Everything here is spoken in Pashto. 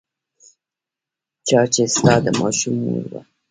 چا چې ستا د ماشوم مور وه.